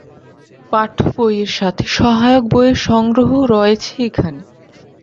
পাঠ্য বইয়ের সাথে সহায়ক বইয়ের সংগ্রহ রয়েছে এখানে।